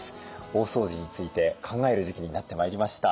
大掃除について考える時期になってまいりました。